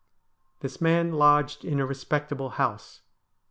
This man lodged in a respectable house.